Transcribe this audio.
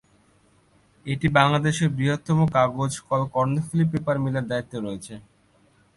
এটি বাংলাদেশের বৃহত্তম কাগজ কল কর্ণফুলী পেপার মিলের দায়িত্বে রয়েছে।